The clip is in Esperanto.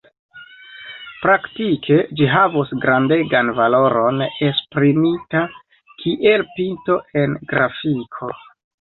Praktike ĝi havos grandegan valoron esprimita kiel pinto en grafiko.